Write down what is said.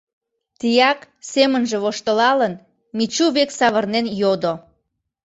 Тияк, семынже воштылалын, Мичу век савырнен йодо: